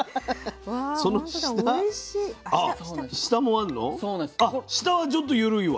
あっ下はちょっと緩いわ。